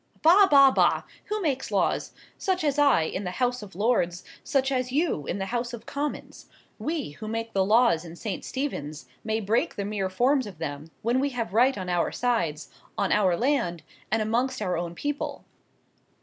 "Bah! Bah! Bah! Who makes laws? Such as I, in the House of Lords—such as you, in the House of Commons. We, who make the laws in St. Stephen's, may break the mere forms of them, when we have right on our sides, on our own land, and amongst our own people."